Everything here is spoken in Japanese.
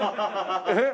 えっ？